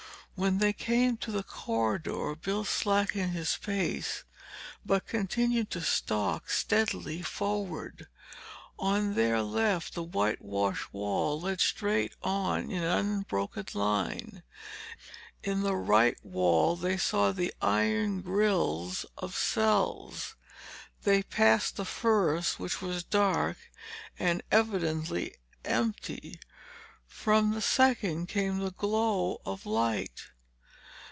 When they came to the corridor, Bill slackened his pace but continued to stalk steadily forward. On their left the whitewashed wall led straight on in an unbroken line. In the right wall, they saw the iron grills of cells. They passed the first, which was dark, and evidently empty. From the second came the glow of light.